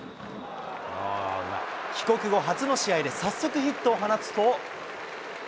帰国後初の試合で早速ヒットを放つと。